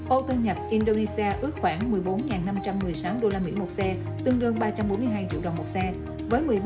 ô tô nhập indonesia ước khoảng một mươi bốn năm trăm một mươi sáu usd một xe tương đương ba trăm bốn mươi hai triệu đồng một xe với một mươi ba sáu trăm ba mươi hai xe